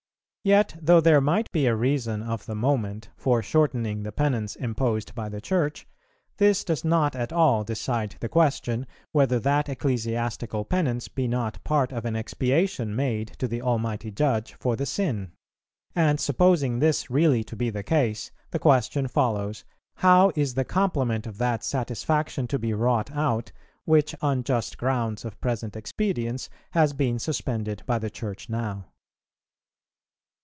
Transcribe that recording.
Yet, though there might be a reason of the moment for shortening the penance imposed by the Church, this does not at all decide the question whether that ecclesiastical penance be not part of an expiation made to the Almighty Judge for the sin; and supposing this really to be the case, the question follows, How is the complement of that satisfaction to be wrought out, which on just grounds of present expedience has been suspended by the Church now?